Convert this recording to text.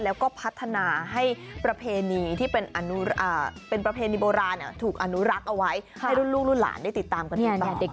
แล้วก็พัฒนาให้ประเพณีที่เป็นประเพณีโบราณถูกอนุรักษ์เอาไว้ให้รุ่นลูกรุ่นหลานได้ติดตามกันต่อเด็ก